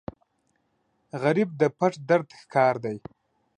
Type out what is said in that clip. غریب د پټ درد ښکار دی